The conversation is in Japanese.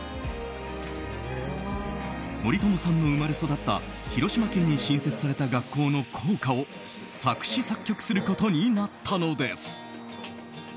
森友さんの生まれ育った広島県に新設された学校の校歌を作詞・作曲することになったのです。